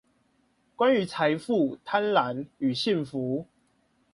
關於財富、貪婪與幸福